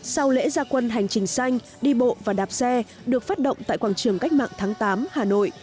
sau lễ gia quân hành trình xanh đi bộ và đạp xe được phát động tại quảng trường cách mạng tháng tám hà nội